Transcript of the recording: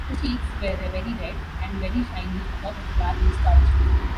His cheeks were very red and very shiny above his black moustache.